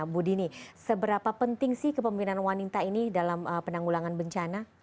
bu dini seberapa penting sih kepemimpinan wanita ini dalam penanggulangan bencana